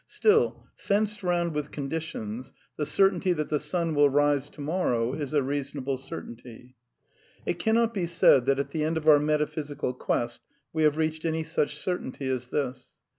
Still, fenced round with conditions, the certainty that the sun will rise to morrow is a reasonable certainty. It cannot be said that at the end of our metaphysical quest we have reached any such certainty as this.